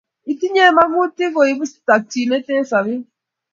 Itinye makutik ko ipu takchinet eng sopet